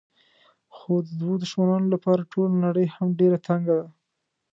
خو د دوو دښمنانو لپاره ټوله نړۍ هم ډېره تنګه ده.